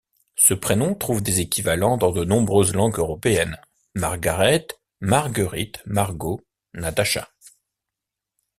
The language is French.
Ce prénom trouve des équivalents dans de nombreuse langues européennes: Margaret, Marguerite, Margot, Natacha...